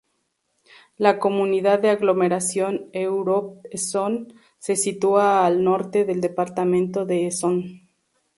La comunidad de aglomeración Europ’Essonne se sitúa al norte del departamento de Essonne.